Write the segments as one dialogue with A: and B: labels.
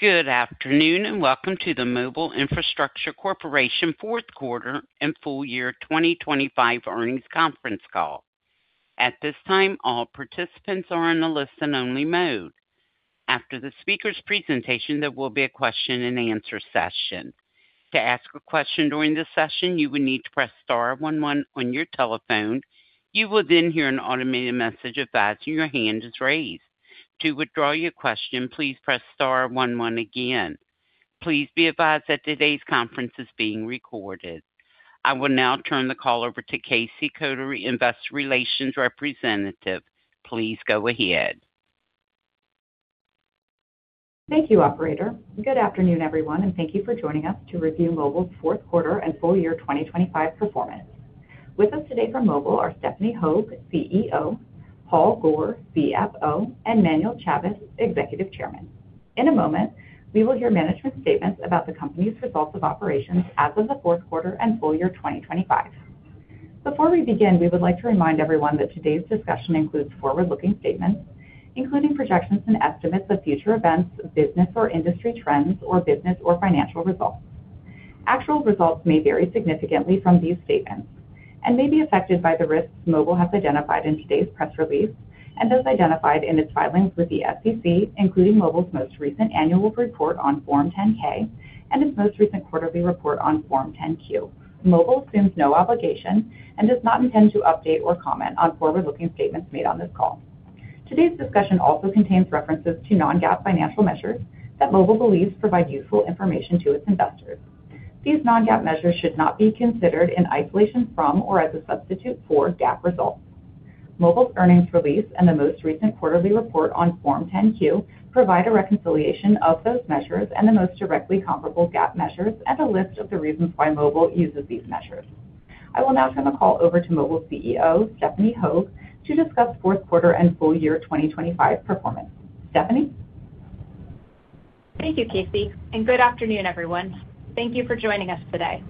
A: Good afternoon, welcome to the Mobile Infrastructure Corporation fourth quarter and full year 2025 earnings conference call. At this time, all participants are in a listen only mode. After the speaker's presentation, there will be a question-and-answer session. To ask a question during this session, you will need to press star one one on your telephone. You will hear an automated message advising your hand is raised. To withdraw your question, please press star one one again. Please be advised that today's conference is being recorded. I will now turn the call over to Casey Kotary, investor relations representative. Please go ahead.
B: Thank you, operator. Good afternoon, everyone, thank you for joining us to review Mobile's fourth quarter and full year 2025 performance. With us today from Mobile are Stephanie Hogue, CEO, Paul Gohr, CFO, and Manuel Chavez, Executive Chairman. In a moment, we will hear management statements about the company's results of operations as of the fourth quarter and full year 2025. Before we begin, we would like to remind everyone that today's discussion includes forward-looking statements, including projections and estimates of future events, business or industry trends, or business or financial results. Actual results may vary significantly from these statements and may be affected by the risks Mobile has identified in today's press release and as identified in its filings with the SEC, including Mobile's most recent annual report on Form 10-K and its most recent quarterly report on Form 10-Q. Mobile assumes no obligation and does not intend to update or comment on forward-looking statements made on this call. Today's discussion also contains references to non-GAAP financial measures that Mobile believes provide useful information to its investors. These non-GAAP measures should not be considered in isolation from or as a substitute for GAAP results. Mobile's earnings release and the most recent quarterly report on Form 10-Q provide a reconciliation of those measures and the most directly comparable GAAP measures and a list of the reasons why Mobile uses these measures. I will now turn the call over to Mobile CEO, Stephanie Hogue, to discuss fourth quarter and full year 2025 performance. Stephanie?
C: Thank you, Casey. Good afternoon, everyone. Thank you for joining us today.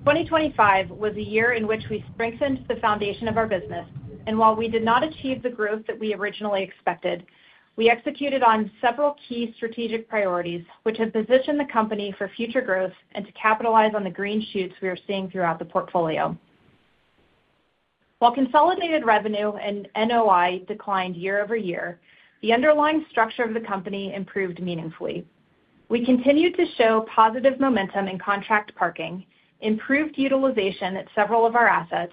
C: 2025 was a year in which we strengthened the foundation of our business, while we did not achieve the growth that we originally expected, we executed on several key strategic priorities which have positioned the company for future growth and to capitalize on the green shoots we are seeing throughout the portfolio. While consolidated revenue and NOI declined year-over-year, the underlying structure of the company improved meaningfully. We continued to show positive momentum in contract parking, improved utilization at several of our assets,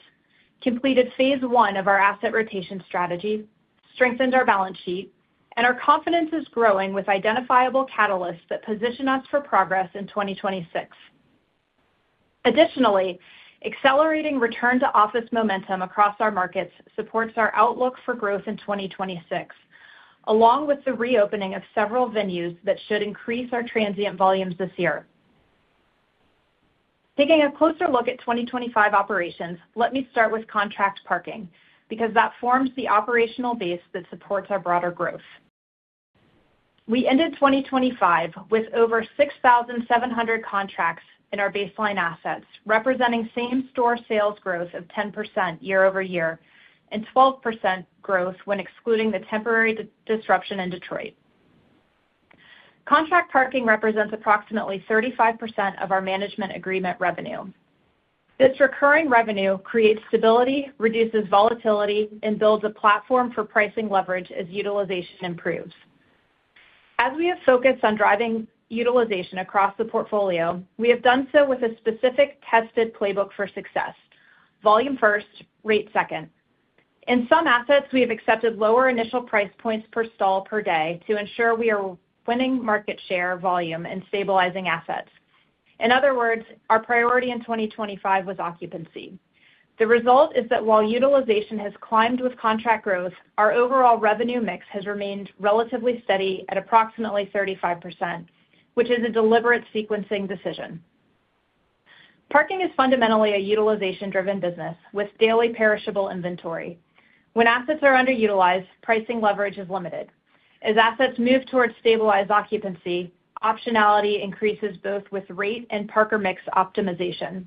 C: completed phase I of our asset rotation strategy, strengthened our balance sheet, our confidence is growing with identifiable catalysts that position us for progress in 2026. Accelerating return to office momentum across our markets supports our outlook for growth in 2026, along with the reopening of several venues that should increase our transient volumes this year. Taking a closer look at 2025 operations, let me start with contract parking, because that forms the operational base that supports our broader growth. We ended 2025 with over 6,700 contracts in our baseline assets, representing same-store sales growth of 10% year-over-year and 12% growth when excluding the temporary disruption in Detroit. Contract parking represents approximately 35% of our management agreement revenue. This recurring revenue creates stability, reduces volatility, and builds a platform for pricing leverage as utilization improves. As we have focused on driving utilization across the portfolio, we have done so with a specific tested playbook for success. Volume first, rate second. In some assets, we have accepted lower initial price points per stall per day to ensure we are winning market share volume and stabilizing assets. In other words, our priority in 2025 was occupancy. The result is that while utilization has climbed with contract growth, our overall revenue mix has remained relatively steady at approximately 35%, which is a deliberate sequencing decision. Parking is fundamentally a utilization-driven business with daily perishable inventory. When assets are underutilized, pricing leverage is limited. As assets move towards stabilized occupancy, optionality increases both with rate and parker mix optimization.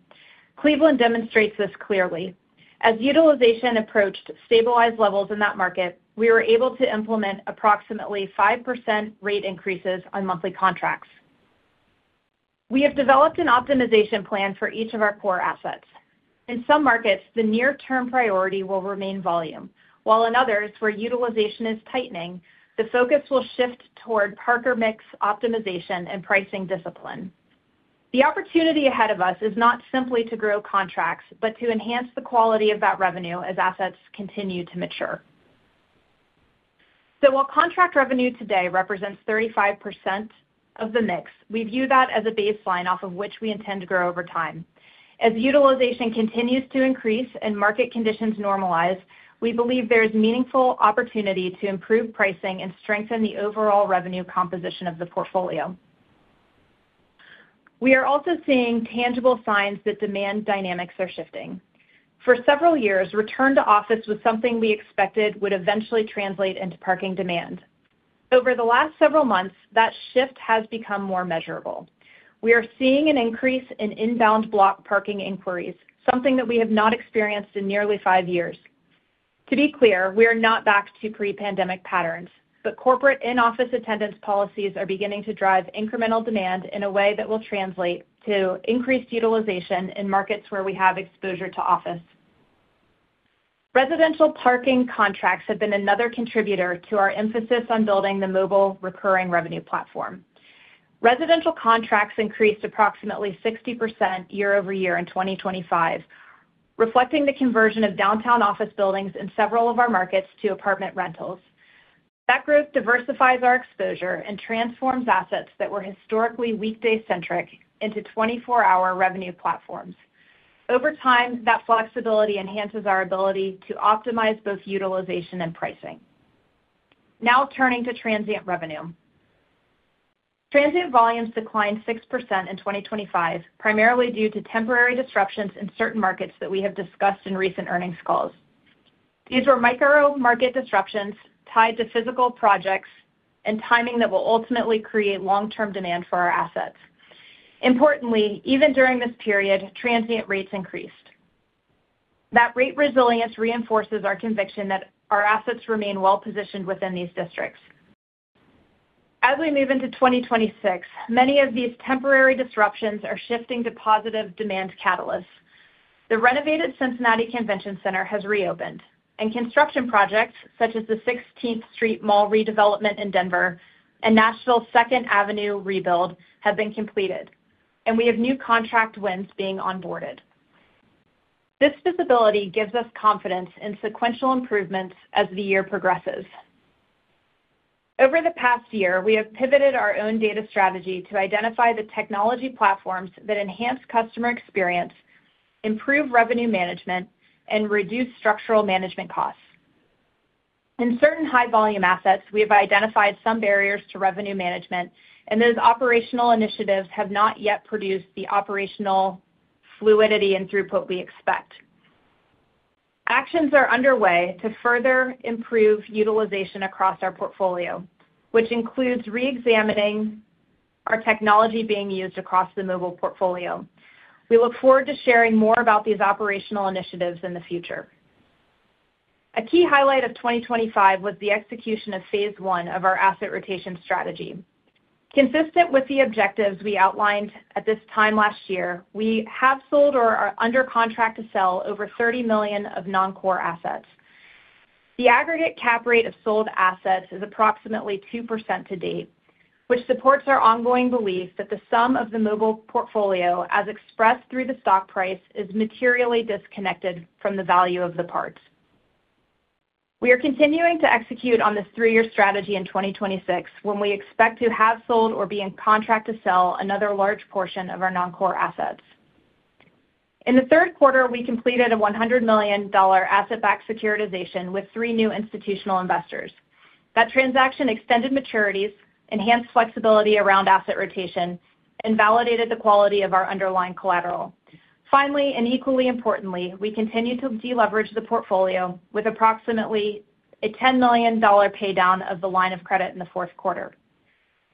C: Cleveland demonstrates this clearly. As utilization approached stabilized levels in that market, we were able to implement approximately 5% rate increases on monthly contracts. We have developed an optimization plan for each of our core assets. In some markets, the near-term priority will remain volume, while in others where utilization is tightening, the focus will shift toward parker mix optimization and pricing discipline. The opportunity ahead of us is not simply to grow contracts, but to enhance the quality of that revenue as assets continue to mature. While contract revenue today represents 35% of the mix, we view that as a baseline off of which we intend to grow over time. Utilization continues to increase and market conditions normalize, we believe there is meaningful opportunity to improve pricing and strengthen the overall revenue composition of the portfolio. We are also seeing tangible signs that demand dynamics are shifting. For several years, return to office was something we expected would eventually translate into parking demand. Over the last several months, that shift has become more measurable. We are seeing an increase in inbound block parking inquiries, something that we have not experienced in nearly five years. To be clear, we are not back to pre-pandemic patterns. Corporate in-office attendance policies are beginning to drive incremental demand in a way that will translate to increased utilization in markets where we have exposure to office. Residential parking contracts have been another contributor to our emphasis on building the mobile recurring revenue platform. Residential contracts increased approximately 60% year-over-year in 2025, reflecting the conversion of downtown office buildings in several of our markets to apartment rentals. That growth diversifies our exposure and transforms assets that were historically weekday-centric into 24-hour revenue platforms. Over time, that flexibility enhances our ability to optimize both utilization and pricing. Turning to transient revenue. Transient volumes declined 6% in 2025, primarily due to temporary disruptions in certain markets that we have discussed in recent earnings calls. These were micro market disruptions tied to physical projects and timing that will ultimately create long-term demand for our assets. Importantly, even during this period, transient rates increased. That rate resilience reinforces our conviction that our assets remain well-positioned within these districts. As we move into 2026, many of these temporary disruptions are shifting to positive demand catalysts. The renovated Cincinnati Convention Center has reopened and construction projects such as the Sixteenth Street Mall redevelopment in Denver and Nashville's Second Avenue rebuild have been completed, and we have new contract wins being onboarded. This visibility gives us confidence in sequential improvements as the year progresses. Over the past year, we have pivoted our own data strategy to identify the technology platforms that enhance customer experience, improve revenue management, and reduce structural management costs. In certain high-volume assets, we have identified some barriers to revenue management. Those operational initiatives have not yet produced the operational fluidity and throughput we expect. Actions are underway to further improve utilization across our portfolio, which includes re-examining our technology being used across the mobile portfolio. We look forward to sharing more about these operational initiatives in the future. A key highlight of 2025 was the execution of phase I of our asset rotation strategy. Consistent with the objectives we outlined at this time last year, we have sold or are under contract to sell over $30 million of non-core assets. The aggregate cap rate of sold assets is approximately 2% to date, which supports our ongoing belief that the sum of the Mobile portfolio, as expressed through the stock price, is materially disconnected from the value of the parts. We are continuing to execute on this three-year strategy in 2026, when we expect to have sold or be in contract to sell another large portion of our non-core assets. In the third quarter, we completed a $100 million asset-backed securitization with three new institutional investors. That transaction extended maturities, enhanced flexibility around asset rotation, and validated the quality of our underlying collateral. Finally, and equally importantly, we continue to deleverage the portfolio with approximately a $10 million pay down of the line of credit in the fourth quarter.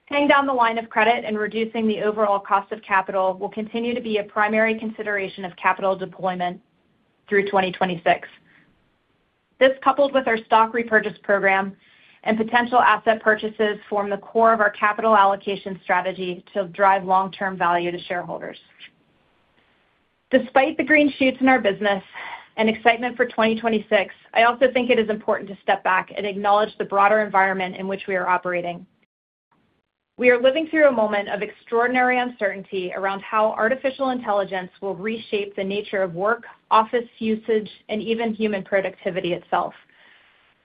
C: Paying down the line of credit and reducing the overall cost of capital will continue to be a primary consideration of capital deployment through 2026. This, coupled with our stock repurchase program and potential asset purchases, form the core of our capital allocation strategy to drive long-term value to shareholders. Despite the green shoots in our business and excitement for 2026, I also think it is important to step back and acknowledge the broader environment in which we are operating. We are living through a moment of extraordinary uncertainty around how artificial intelligence will reshape the nature of work, office usage, and even human productivity itself.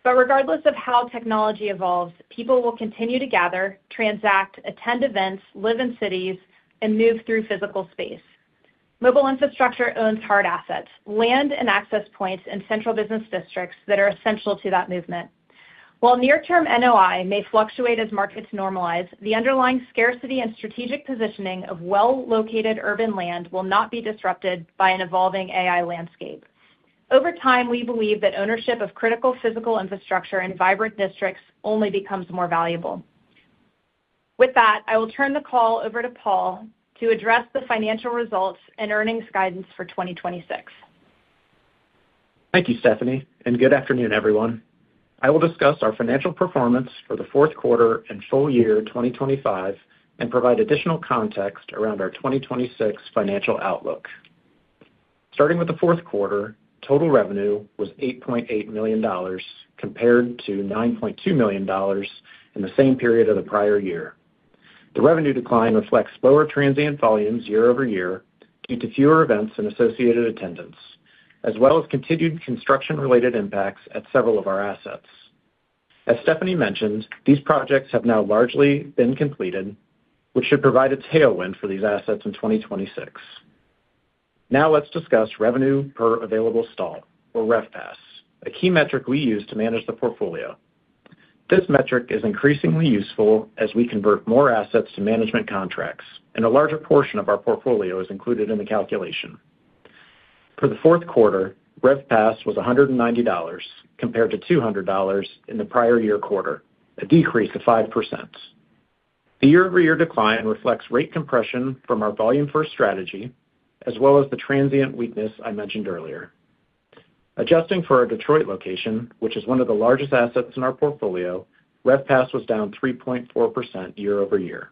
C: Regardless of how technology evolves, people will continue to gather, transact, attend events, live in cities, and move through physical space. Mobile Infrastructure owns hard assets, land and access points in central business districts that are essential to that movement. While near term NOI may fluctuate as markets normalize, the underlying scarcity and strategic positioning of well-located urban land will not be disrupted by an evolving AI landscape. Over time, we believe that ownership of critical physical infrastructure and vibrant districts only becomes more valuable. With that, I will turn the call over to Paul to address the financial results and earnings guidance for 2026.
D: Thank you, Stephanie, and good afternoon, everyone. I will discuss our financial performance for the fourth quarter and full year 2025 and provide additional context around our 2026 financial outlook. Starting with the fourth quarter, total revenue was $8.8 million compared to $9.2 million in the same period of the prior year. The revenue decline reflects lower transient volumes year-over-year due to fewer events and associated attendance, as well as continued construction related impacts at several of our assets. As Stephanie mentioned, these projects have now largely been completed, which should provide a tailwind for these assets in 2026. Now let's discuss revenue per available stall or RevPAS, a key metric we use to manage the portfolio. This metric is increasingly useful as we convert more assets to management contracts, and a larger portion of our portfolio is included in the calculation. For the fourth quarter, RevPAS was $190 compared to $200 in the prior year quarter, a decrease of 5%. The year-over-year decline reflects rate compression from our volume first strategy, as well as the transient weakness I mentioned earlier. Adjusting for our Detroit location, which is one of the largest assets in our portfolio, RevPAS was down 3.4% year-over-year.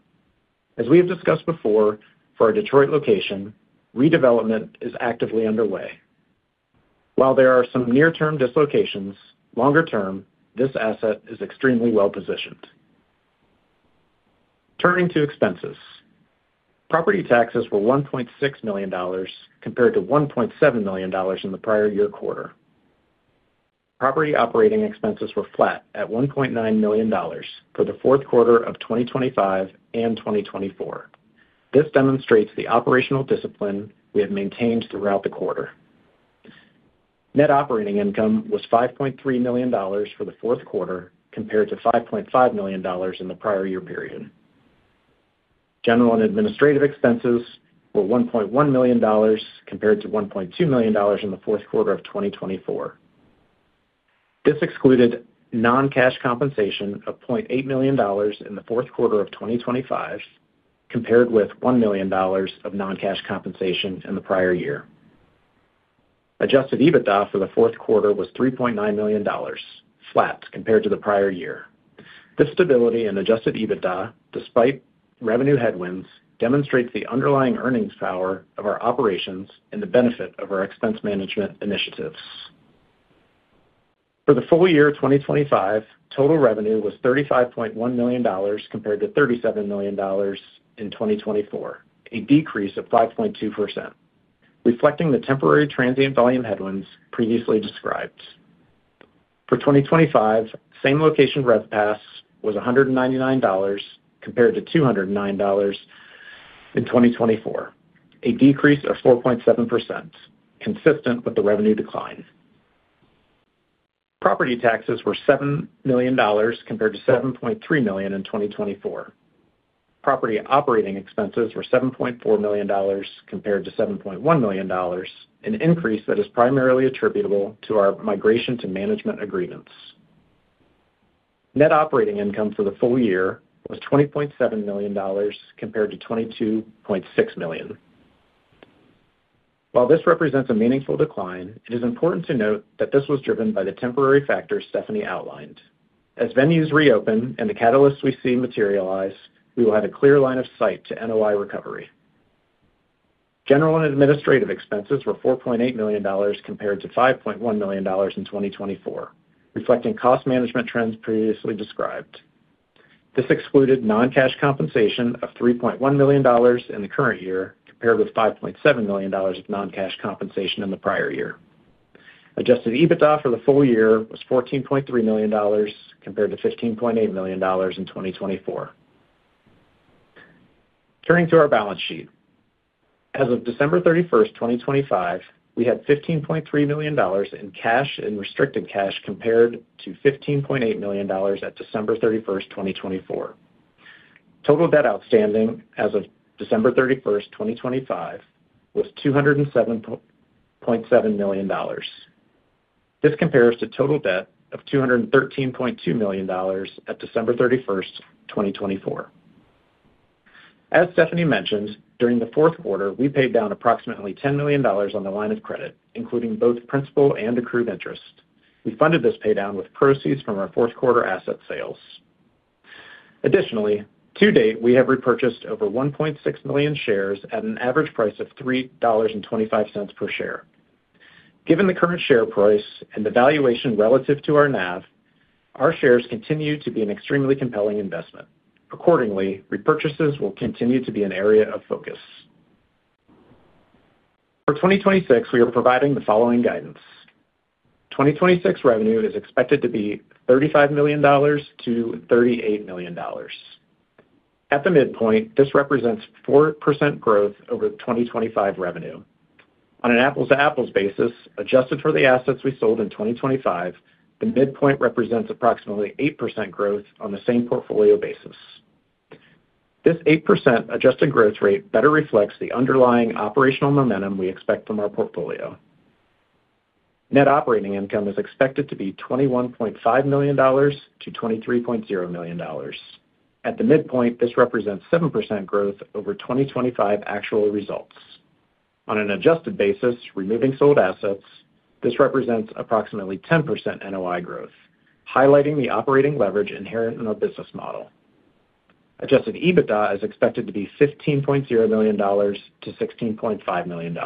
D: As we have discussed before, for our Detroit location, redevelopment is actively underway. While there are some near-term dislocations, longer term, this asset is extremely well-positioned. Turning to expenses. Property taxes were $1.6 million compared to $1.7 million in the prior year quarter. Property operating expenses were flat at $1.9 million for the fourth quarter of 2025 and 2024. This demonstrates the operational discipline we have maintained throughout the quarter. Net operating income was $5.3 million for the fourth quarter, compared to $5.5 million in the prior year period. General and administrative expenses were $1.1 million compared to $1.2 million in the fourth quarter of 2024. This excluded non-cash compensation of $0.8 million in the fourth quarter of 2025, compared with $1 million of non-cash compensation in the prior year. Adjusted EBITDA for the fourth quarter was $3.9 million, flat compared to the prior year. This stability in Adjusted EBITDA, despite revenue headwinds, demonstrates the underlying earnings power of our operations and the benefit of our expense management initiatives. For the full year of 2025, total revenue was $35.1 million compared to $37 million in 2024, a decrease of 5.2%, reflecting the temporary transient volume headwinds previously described. For 2025, same-location RevPAS was $199 compared to $209 in 2024, a decrease of 4.7%, consistent with the revenue decline. Property taxes were $7 million compared to $7.3 million in 2024. Property operating expenses were $7.4 million compared to $7.1 million, an increase that is primarily attributable to our migration to management agreements. Net operating income for the full year was $20.7 million compared to $22.6 million. While this represents a meaningful decline, it is important to note that this was driven by the temporary factors Stephanie outlined. As venues reopen and the catalysts we see materialize, we will have a clear line of sight to NOI recovery. General and administrative expenses were $4.8 million compared to $5.1 million in 2024, reflecting cost management trends previously described. This excluded non-cash compensation of $3.1 million in the current year, compared with $5.7 million of non-cash compensation in the prior year. Adjusted EBITDA for the full year was $14.3 million compared to $15.8 million in 2024. Turning to our balance sheet. As of December 31, 2025, we had $15.3 million in cash and restricted cash compared to $15.8 million at December 31st, 2024. Total debt outstanding as of December 31st, 2025 was $207.7 million. This compares to total debt of $213.2 million at December 31st, 2024. As Stephanie mentioned, during the fourth quarter, we paid down approximately $10 million on the line of credit, including both principal and accrued interest. We funded this paydown with proceeds from our fourth quarter asset sales. Additionally, to date, we have repurchased over 1.6 million shares at an average price of $3.25 per share. Given the current share price and the valuation relative to our NAV, our shares continue to be an extremely compelling investment. Accordingly, repurchases will continue to be an area of focus. For 2026, we are providing the following guidance. 2026 revenue is expected to be $35 million-$38 million. At the midpoint, this represents 4% growth over the 2025 revenue. On an apples-to-apples basis, Adjusted for the assets we sold in 2025, the midpoint represents approximately 8% growth on the same portfolio basis. This 8% Adjusted growth rate better reflects the underlying operational momentum we expect from our portfolio. Net operating income is expected to be $21.5 million-$23.0 million. At the midpoint, this represents 7% growth over 2025 actual results. On an Adjusted basis, removing sold assets, this represents approximately 10% NOI growth, highlighting the operating leverage inherent in our business model. Adjusted EBITDA is expected to be $15.0 million-$16.5 million.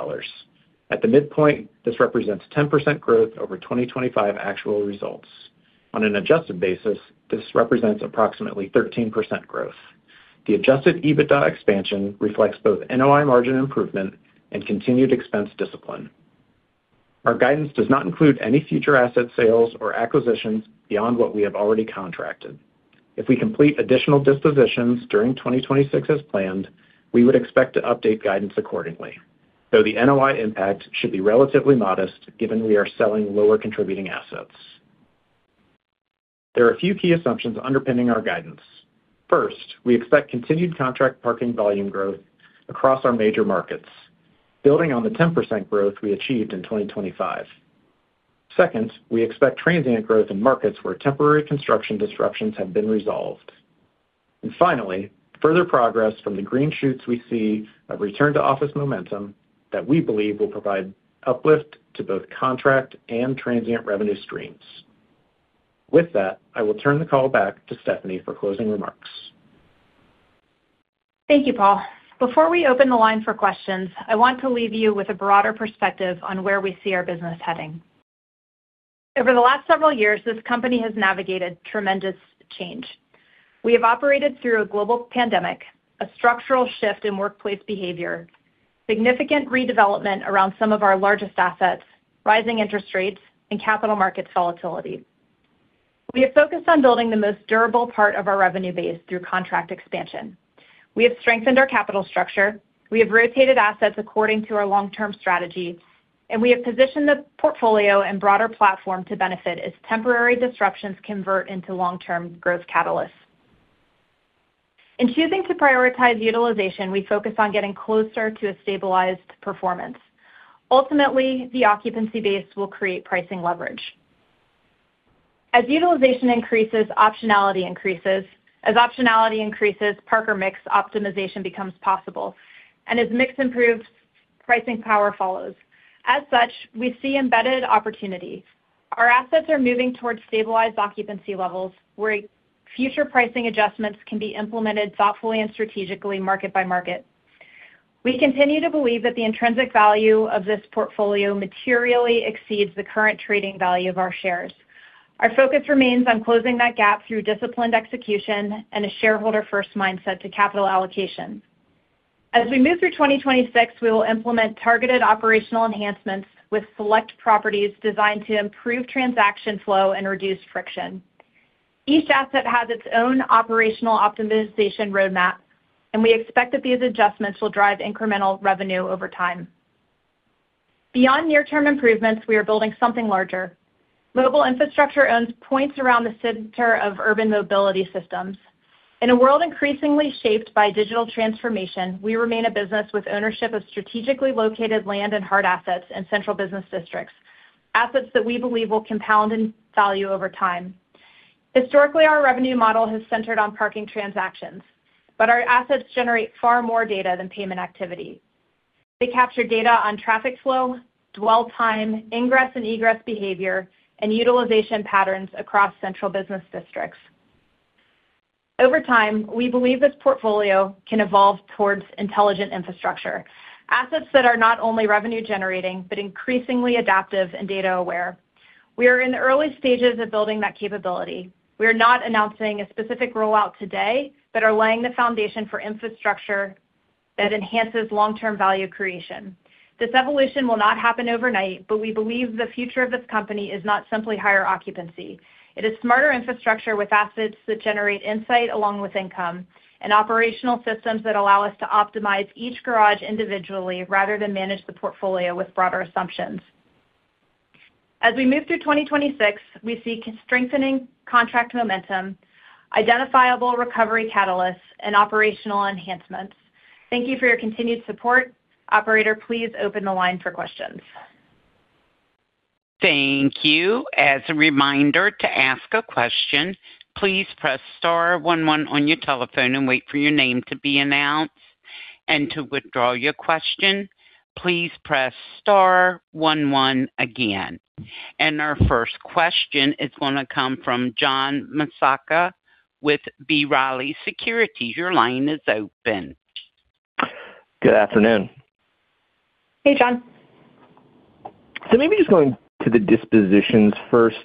D: At the midpoint, this represents 10% growth over 2025 actual results. On an Adjusted basis, this represents approximately 13% growth. The Adjusted EBITDA expansion reflects both NOI margin improvement and continued expense discipline. Our guidance does not include any future asset sales or acquisitions beyond what we have already contracted. If we complete additional dispositions during 2026 as planned, we would expect to update guidance accordingly, though the NOI impact should be relatively modest given we are selling lower contributing assets. There are a few key assumptions underpinning our guidance. First, we expect continued contract parking volume growth across our major markets, building on the 10% growth we achieved in 2025. Second, we expect transient growth in markets where temporary construction disruptions have been resolved. Finally, further progress from the green shoots we see a return to office momentum that we believe will provide uplift to both contract and transient revenue streams. With that, I will turn the call back to Stephanie for closing remarks.
C: Thank you, Paul. Before we open the line for questions, I want to leave you with a broader perspective on where we see our business heading. Over the last several years, this company has navigated tremendous change. We have operated through a global pandemic, a structural shift in workplace behavior, significant redevelopment around some of our largest assets, rising interest rates, and capital markets volatility. We have focused on building the most durable part of our revenue base through contract expansion. We have strengthened our capital structure; we have rotated assets according to our long-term strategy. We have positioned the portfolio and broader platform to benefit as temporary disruptions convert into long-term growth catalysts. In choosing to prioritize utilization, we focus on getting closer to a stabilized performance. Ultimately, the occupancy base will create pricing leverage. As utilization increases, optionality increases. As optionality increases, parker mix optimization becomes possible. As mix improves, pricing power follows. As such, we see embedded opportunity. Our assets are moving towards stabilized occupancy levels, where future pricing adjustments can be implemented thoughtfully and strategically market by market. We continue to believe that the intrinsic value of this portfolio materially exceeds the current trading value of our shares. Our focus remains on closing that gap through disciplined execution and a shareholder first mindset to capital allocation. As we move through 2026, we will implement targeted operational enhancements with select properties designed to improve transaction flow and reduce friction. Each asset has its own operational optimization roadmap. We expect that these adjustments will drive incremental revenue over time. Beyond near term improvements, we are building something larger. Mobile Infrastructure Corporation owns points around the center of urban mobility systems. In a world increasingly shaped by digital transformation, we remain a business with ownership of strategically located land and hard assets in central business districts, assets that we believe will compound in value over time. Historically, our revenue model has centered on parking transactions, but our assets generate far more data than payment activity. They capture data on traffic flow, dwell time, ingress and egress behavior, and utilization patterns across central business districts. Over time, we believe this portfolio can evolve towards intelligent infrastructure. Assets that are not only revenue generating, but increasingly adaptive and data aware. We are in the early stages of building that capability. We are not announcing a specific rollout today but are laying the foundation for infrastructure that enhances long-term value creation. This evolution will not happen overnight, but we believe the future of this company is not simply higher occupancy. It is smarter infrastructure with assets that generate insight along with income and operational systems that allow us to optimize each garage individually rather than manage the portfolio with broader assumptions. As we move through 2026, we see strengthening contract momentum, identifiable recovery catalysts, and operational enhancements. Thank you for your continued support. Operator, please open the line for questions.
A: Thank you. As a reminder to ask a question, please press star one one on your telephone and wait for your name to be announced. To withdraw your question, please press star one one again. Our first question is gonna come from John Massocca with B. Riley Securities. Your line is open.
E: Good afternoon.
C: Hey, John.
E: Maybe just going to the dispositions first.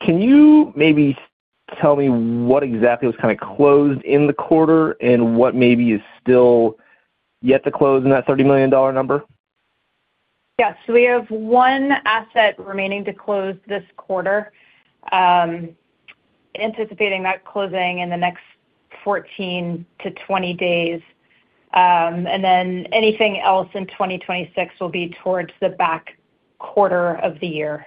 E: Can you maybe tell me what exactly was kind of closed in the quarter and what maybe is still yet to close in that $30 million number?
C: We have one asset remaining to close this quarter. Anticipating that closing in the next 14 to 20 days, anything else in 2026 will be towards the back quarter of the year.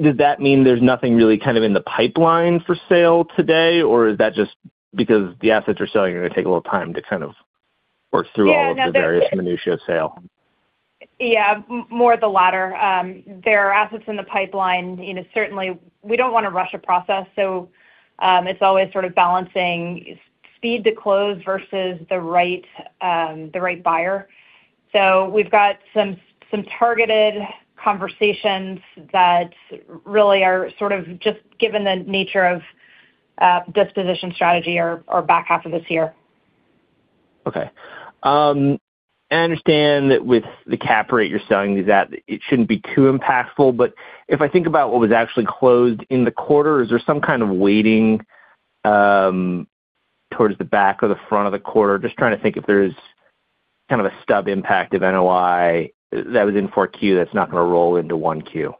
E: Does that mean there's nothing really kind of in the pipeline for sale today, or is that just because the assets are selling are gonna take a little time to kind of work through all of the various minutiae of sale?
C: Yeah. More the latter. There are assets in the pipeline. You know, certainly we don't wanna rush a process, so it's always sort of balancing speed to close versus the right, the right buyer. We've got some targeted conversations that really are sort of just given the nature of disposition strategy or back half of this year.
E: I understand that with the cap rate you're selling these at, it shouldn't be too impactful, but if I think about what was actually closed in the quarter, is there some kind of weighting towards the back or the front of the quarter? Just trying to think if there's kind of a stub impact of NOI that was in 4Q that's not gonna roll into 1Q.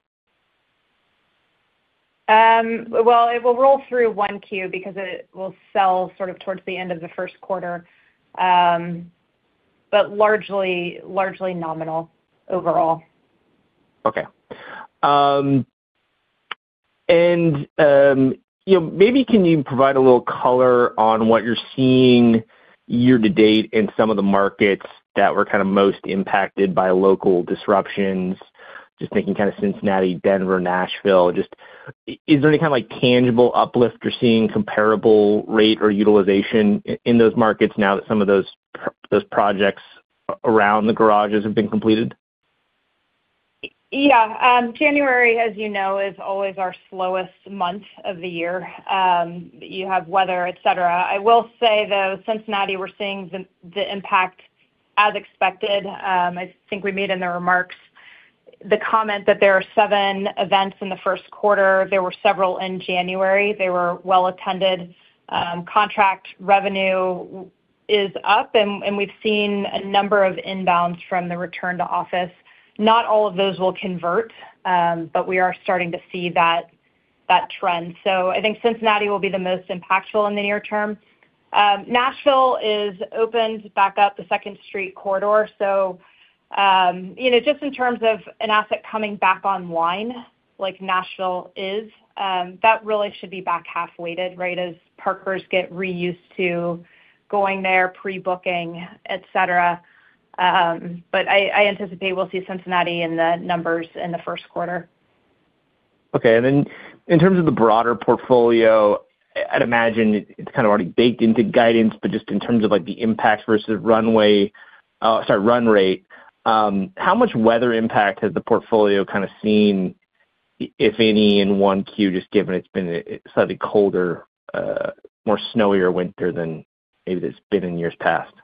C: Well, it will roll through 1Q because it will sell sort of towards the end of the first quarter, but largely nominal overall.
E: Okay. You know, maybe can you provide a little color on what you're seeing year to date in some of the markets that were kind of most impacted by local disruptions? Just thinking kind of Cincinnati, Denver, Nashville. Just, is there any kind of, like, tangible uplift you're seeing comparable rate or utilization in those markets now that some of those projects around the garages have been completed?
C: Yeah. January, as you know, is always our slowest month of the year. You have weather, et cetera. I will say, though, Cincinnati, we're seeing the impact as expected. I think we made in the remarks the comment that there are seven events in the first quarter. There were several in January. They were well attended. Contract revenue is up, and we've seen a number of inbounds from the return to office. Not all of those will convert, but we are starting to see that trend. I think Cincinnati will be the most impactful in the near term. Nashville is opened back up the Second Street corridor. You know, just in terms of an asset coming back online, like Nashville is, that really should be back half weighted, right, as parkers get reused to going there, pre-booking, et cetera. I anticipate we'll see Cincinnati in the numbers in the first quarter.
E: In terms of the broader portfolio, I'd imagine it's kind of already baked into guidance, but just in terms of, like, the impact versus run rate, how much weather impact has the portfolio kind of seen, if any, in 1Q, just given it's been a slightly colder, more snowier winter than maybe it's been in years past?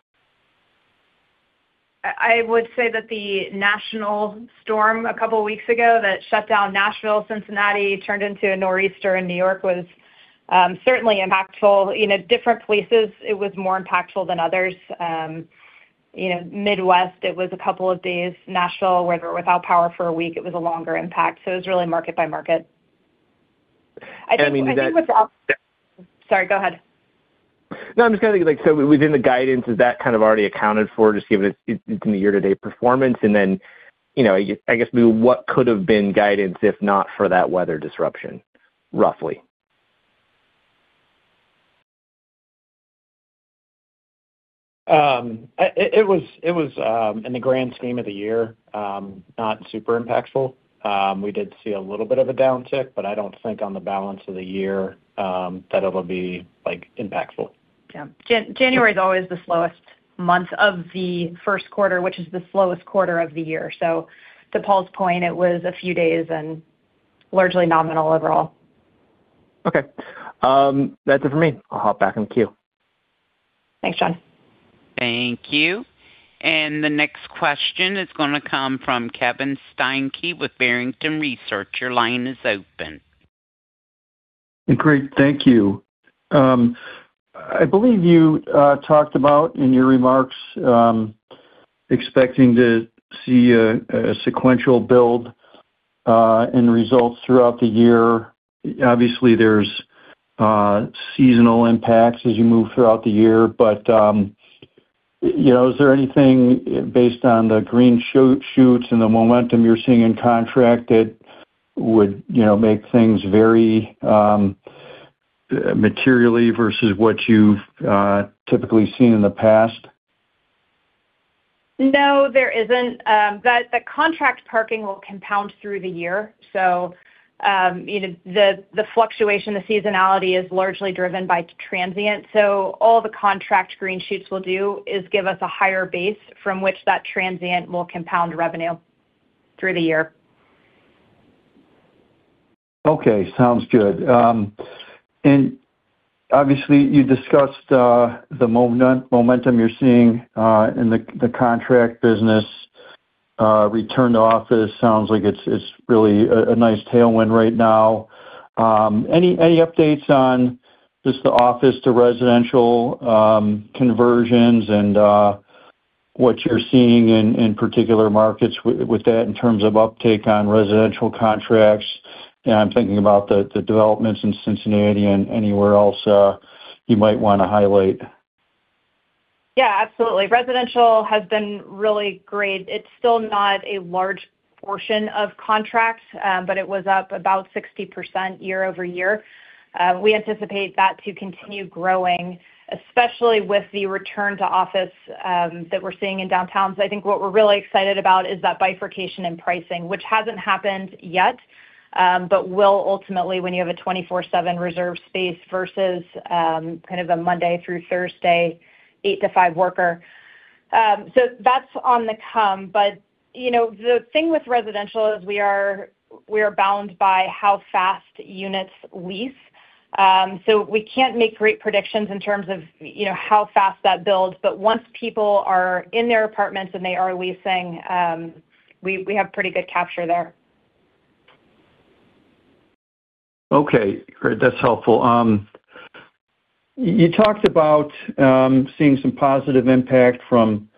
C: I would say that the national storm a couple weeks ago that shut down Nashville, Cincinnati, turned into a nor'easter in New York was certainly impactful. In a different places it was more impactful than others. you know, Midwest, it was a couple of days. Nashville, where they were without power for one week, it was a longer impact. It was really market by market.
E: I mean, is that.
C: I think without. Sorry, go ahead.
E: I'm just gonna think, like, within the guidance, is that kind of already accounted for just given it's in the year-to-date performance? You know, I guess maybe what could have been guidance if not for that weather disruption, roughly?
D: It was, in the grand scheme of the year, not super impactful. We did see a little bit of a downtick, but I don't think on the balance of the year, that it'll be, like, impactful.
C: Yeah. January is always the slowest month of the first quarter, which is the slowest quarter of the year. To Paul's point, it was a few days and largely nominal overall.
E: Okay. That's it for me. I'll hop back in the queue.
C: Thanks, John.
A: Thank you. The next question is gonna come from Kevin Steinke with Barrington Research. Your line is open.
F: Great. Thank you. I believe you talked about in your remarks, expecting to see a sequential build in results throughout the year. Obviously, there's seasonal impacts as you move throughout the year. You know, is there anything based on the green shoots and the momentum you're seeing in contract that would, you know, make things very materially versus what you've typically seen in the past?
C: No, there isn't. The contract parking will compound through the year. You know, the fluctuation, the seasonality is largely driven by transient. All the contract green shoots will do is give us a higher base from which that transient will compound revenue through the year.
F: Okay. Sounds good. Obviously you discussed the momentum you're seeing in the contract business. Return to office sounds like it's really a nice tailwind right now. Any updates on just the office to residential conversions and what you're seeing in particular markets with that in terms of uptake on residential contracts? I'm thinking about the developments in Cincinnati and anywhere else you might wanna highlight.
C: Absolutely. Residential has been really great. It's still not a large portion of contracts, but it was up about 60% year-over-year. We anticipate that to continue growing, especially with the return to office that we're seeing in downtowns. I think what we're really excited about is that bifurcation in pricing, which hasn't happened yet, but will ultimately when you have a 24/7 reserve space versus kind of a Monday through Thursday, eight to five worker. That's on the come. You know, the thing with residential is we are bound by how fast units lease. We can't make great predictions in terms of, you know, how fast that builds. Once people are in their apartments and they are leasing, we have pretty good capture there.
F: Okay. Great. That's helpful. You talked about seeing some positive impact from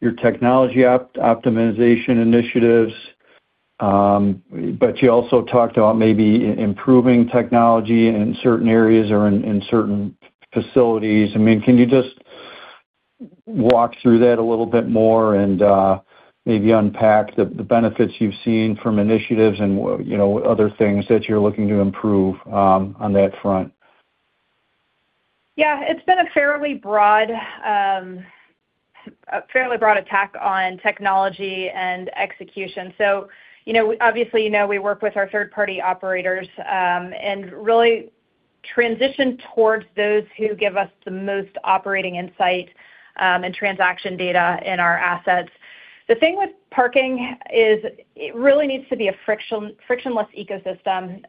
F: your technology optimization initiatives, but you also talked about maybe improving technology in certain areas or in certain facilities. I mean, can you just walk through that a little bit more and maybe unpack the benefits you've seen from initiatives and you know, other things that you're looking to improve on that front.
C: Yeah. It's been a fairly broad, a fairly broad attack on technology and execution. You know, obviously, you know, we work with our third-party operators, and really transition towards those who give us the most operating insight, and transaction data in our assets. The thing with parking is it really needs to be a friction-frictionless ecosystem.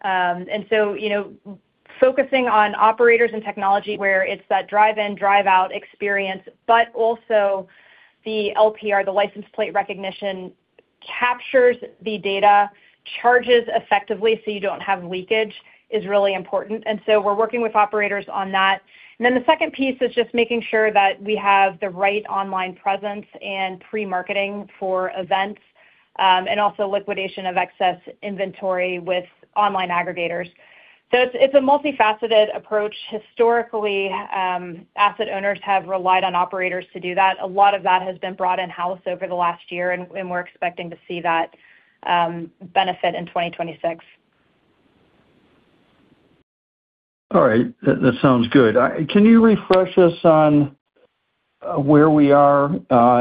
C: You know, focusing on operators and technology where it's that drive-in, drive-out experience, but also the LPR, the license plate recognition captures the data, charges effectively, so you don't have leakage is really important. We're working with operators on that. The second piece is just making sure that we have the right online presence and pre-marketing for events, and also liquidation of excess inventory with online aggregators. It's, it's a multifaceted approach. Historically, asset owners have relied on operators to do that. A lot of that has been brought in-house over the last year, and we're expecting to see that, benefit in 2026.
F: All right. That sounds good. Can you refresh us on where we are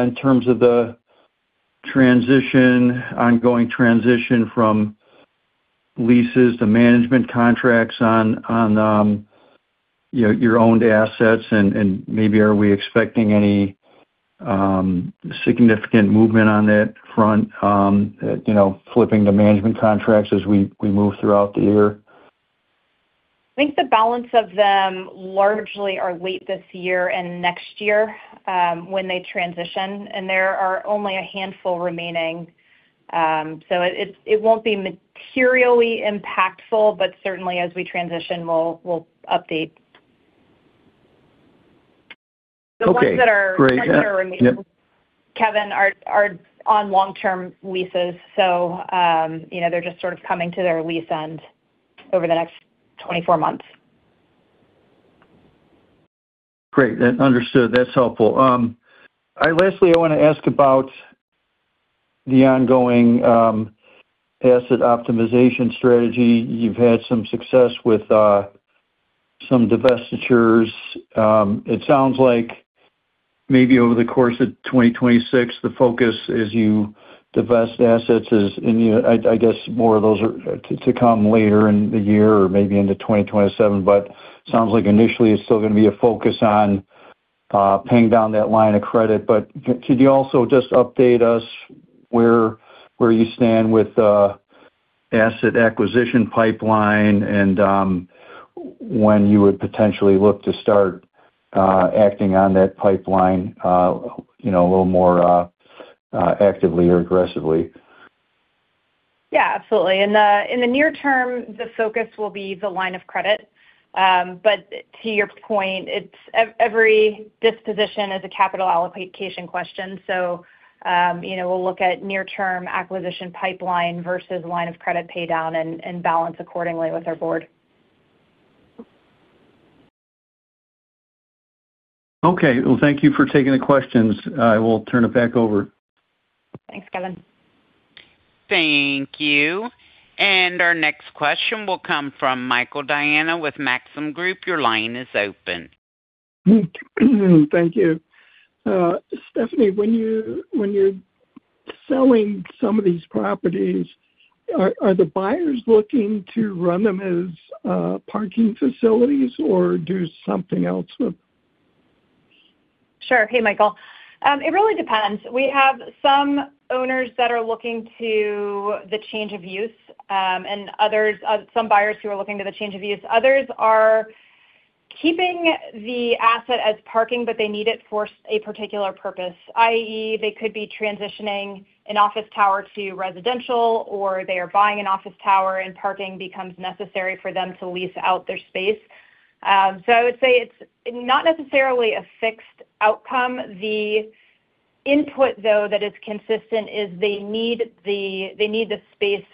F: in terms of the ongoing transition from leases to management contracts on, you know, your owned assets? Maybe are we expecting any significant movement on that front, you know, flipping the management contracts as we move throughout the year?
C: I think the balance of them largely are late this year and next year, when they transition, and there are only a handful remaining. It won't be materially impactful, but certainly as we transition, we'll update.
F: Okay. Great.
C: The ones that are.
F: Yeah.
C: Remaining, Kevin, are on long-term leases. you know, they're just sort of coming to their lease end over the next 24 months.
F: Great. Understood. That's helpful. Lastly, I wanna ask about the ongoing asset optimization strategy. You've had some success with some divestitures. It sounds like maybe over the course of 2026, the focus as you divest assets is, and I guess more of those are to come later in the year or maybe into 2027, sounds like initially it's still gonna be a focus on paying down that line of credit. Could you also just update us where you stand with the asset acquisition pipeline and when you would potentially look to start acting on that pipeline, you know, a little more actively or aggressively?
C: Yeah. Absolutely. In the near term, the focus will be the line of credit. To your point, it's every disposition is a capital allocation question. You know, we'll look at near term acquisition pipeline versus line of credit pay down and balance accordingly with our board.
F: Okay. Well, thank you for taking the questions. I will turn it back over.
C: Thanks, Kevin.
A: Thank you. Our next question will come from Michael Diana with Maxim Group. Your line is open.
G: Thank you. Stephanie, when you're selling some of these properties, are the buyers looking to run them as parking facilities or do something else with them?
C: Sure. Hey, Michael. It really depends. We have some owners that are looking to the change of use, and others, some buyers who are looking to the change of use. Others are keeping the asset as parking, but they need it for a particular purpose, i.e., they could be transitioning an office tower to residential, or they are buying an office tower and parking becomes necessary for them to lease out their space. I would say it's not necessarily a fixed outcome. The input, though, that is consistent is they need the space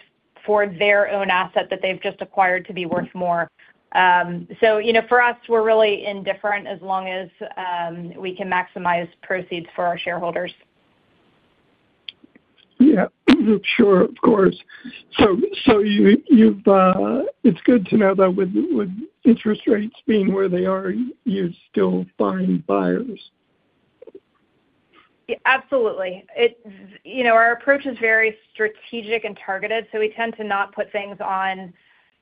C: for their own asset that they've just acquired to be worth more. You know, for us, we're really indifferent as long as we can maximize proceeds for our shareholders.
G: Yeah. Sure. Of course. It's good to know that with interest rates being where they are, you still find buyers.
C: Yeah. Absolutely. You know, our approach is very strategic and targeted, we tend to not put things on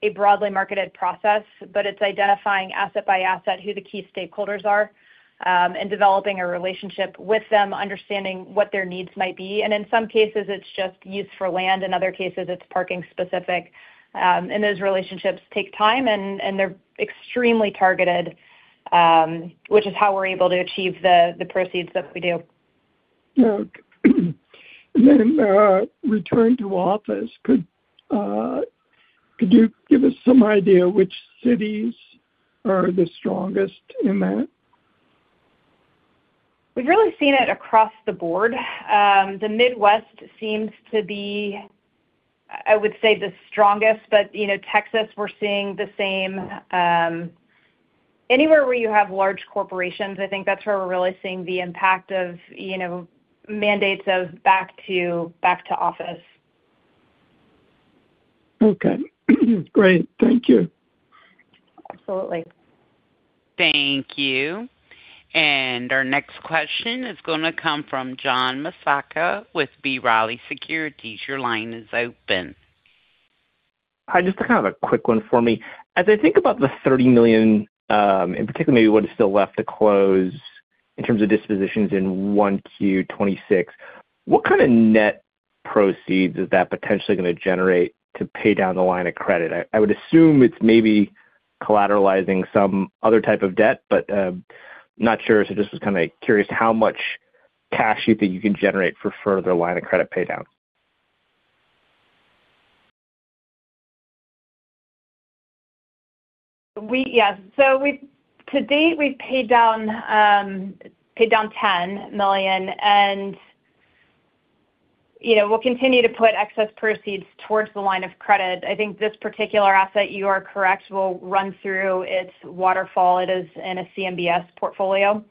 C: a broadly marketed process, but it's identifying asset by asset who the key stakeholders are, and developing a relationship with them, understanding what their needs might be. In some cases, it's just use for land, in other cases, it's parking specific. Those relationships take time and they're extremely targeted, which is how we're able to achieve the proceeds that we do.
G: Yeah. Returning to office, could you give us some idea which cities are the strongest in that?
C: We've really seen it across the board. The Midwest seems to be, I would say, the strongest, but you know, Texas, we're seeing the same. Anywhere where you have large corporations, I think that's where we're really seeing the impact of, you know, mandates of back to office.
G: Okay. Great. Thank you.
C: Absolutely.
A: Thank you. Our next question is gonna come from John Massocca with B. Riley Securities. Your line is open.
E: Hi, just kind of a quick one for me. As I think about the $30 million, in particular maybe what is still left to close in terms of dispositions in 1Q 2026, what kind of net proceeds is that potentially gonna generate to pay down the line of credit? I would assume it's maybe collateralizing some other type of debt, but not sure. Just was kinda curious how much cash you think you can generate for further line of credit pay down.
C: Yeah. So to date, we've paid down $10 million and, you know, we'll continue to put excess proceeds towards the line of credit. I think this particular asset, you are correct, will run through its waterfall. It is in a CMBS portfolio.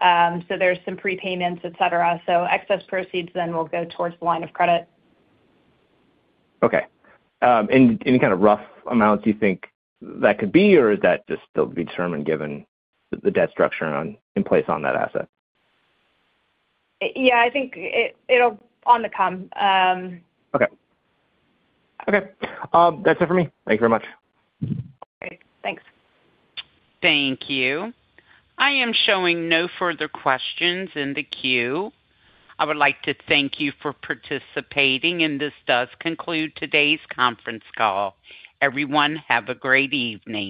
C: There's some prepayments, et cetera. Excess proceeds then will go towards the line of credit.
E: Okay. Any kind of rough amounts you think that could be or is that just still to be determined given the debt structure in place on that asset?
C: I think it'll on the come.
E: Okay. Okay. That's it for me. Thank you very much.
C: Okay, thanks.
A: Thank you. I am showing no further questions in the queue. I would like to thank you for participating, and this does conclude today's conference call. Everyone, have a great evening.